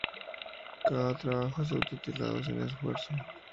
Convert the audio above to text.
Cada trabajo es subtitulado "sin esfuerzo".